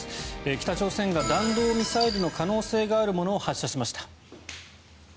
北朝鮮が弾道ミサイルの可能性があるものを発射しました。